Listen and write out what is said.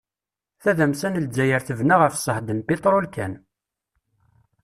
Tadamsa n Lezzayer tebna ɣef ṣṣehd n piṭrul kan.